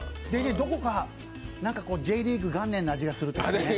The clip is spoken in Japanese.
どこかＪリーグ元年の味がする。